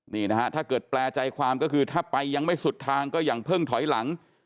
นี่นะฮะถ้าเกิดแปลใจความก็คือถ้าไปยังไม่สุดทางก็ยังเพิ่งถอยหลัง